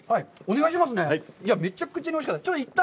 いや、めちゃくちゃおいしかった。